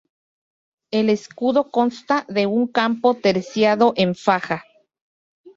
El escudo consta de un campo terciado en faja.